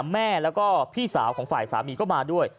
แม่แล้วก็พี่สาวของฝ่ายสามีก็มาด้วย